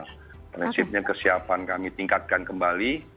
prinsipnya kesiapan kami tingkatkan kembali